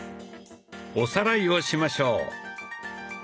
おさらいをしましょう。